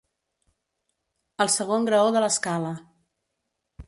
El segon graó de l'escala.